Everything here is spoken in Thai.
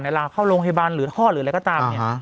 ลาเข้าโรงพยาบาลหรือท่อหรืออะไรก็ตามเนี่ย